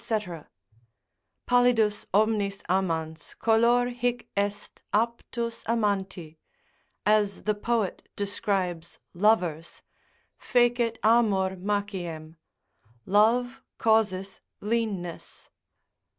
Pallidus omnis amans, color hic est aptus amanti, as the poet describes lovers: fecit amor maciem, love causeth leanness.